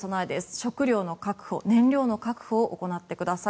食料の確保、燃料の確保を行ってください。